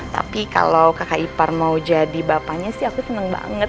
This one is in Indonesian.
tapi kalau kakak ipar mau jadi bapaknya sih aku seneng banget